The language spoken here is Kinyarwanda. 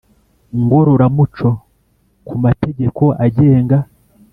Ngororamuco ku mategeko agenga